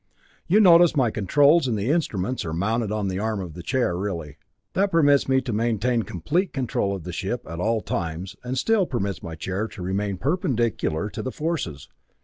"You notice that my controls and the instruments are mounted on the arm of the chair really; that permits me to maintain complete control of the ship at all times, and still permits my chair to remain perpendicular to the forces.